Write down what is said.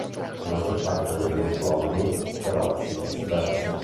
La maggior parte degli autonomi, però, si disperse.